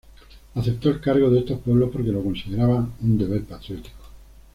Aceptó el cargo de estos pueblos porque lo consideraba un deber patriótico.